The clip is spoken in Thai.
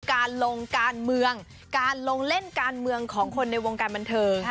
การลงการเมืองการลงเล่นการเมืองของคนในวงการบันเทิง